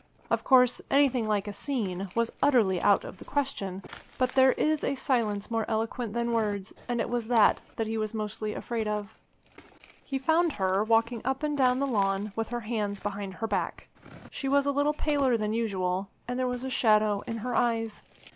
Of course, anything like a scene was utterly out of the question; but there is a silence more eloquent than words, and it was that that he was mostly afraid of. He found her walking up and down the lawn with her hands behind her back. She was a little paler than usual, and there was a shadow in her eyes.